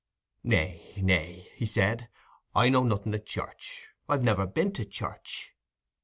"Nay, nay," he said, "I know nothing o' church. I've never been to church."